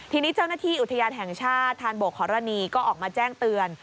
ทีนี้เจ้าหน้าที่อุทยานแห่งชาติธานบกฮรณีก็ออกมาแจ้งเตือน